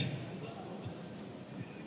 ini yang memang dikendaki oleh partai ini